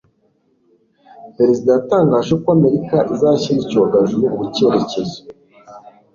Perezida yatangaje ko Amerika izashyira icyogajuru mu cyerekezo